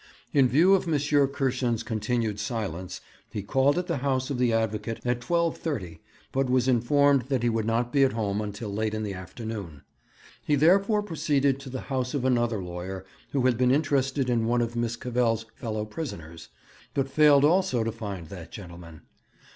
In view of M. Kirschen's continued silence, he called at the house of the advocate at 12.30, but was informed that he would not be at home until late in the afternoon. He therefore proceeded to the house of another lawyer, who had been interested in one of Miss Cavell's fellow prisoners, but failed also to find that gentleman.